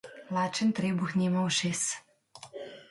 Lačen trebuh nima ušes.